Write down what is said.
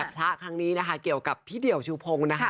พละครั้งนี้เกี่ยวกับพี่เดี่ยวชูโภง